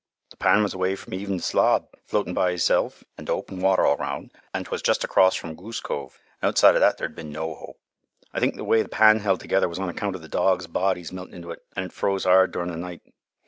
Th' pan was away from even th' slob, floatin' by hisself, an' th' open water all roun', an' 'twas just across fro' Goose Cove, an' outside o' that there'd been no hope. I think th' way th' pan held together was on account o' th' dogs' bodies meltin' it an' 't froze hard durin' th' night.